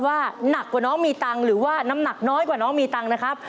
ว่าหนักกว่าน้องมีตังค์หรือว่าน้ำหนักน้อยกว่าน้องมีตังค์นะครับ